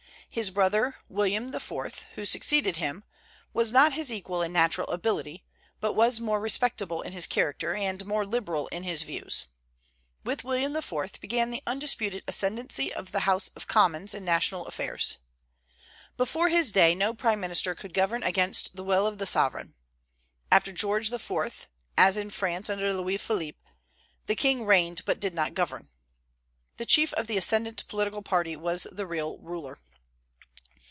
His brother, William IV., who succeeded him, was not his equal in natural ability, but was more respectable in his character and more liberal in his views. With William IV. began the undisputed ascendency of the House of Commons in national affairs. Before his day, no prime minister could govern against the will of the sovereign. After George IV., as in France under Louis Philippe, "the king reigned, but did not govern." The chief of the ascendent political party was the real ruler.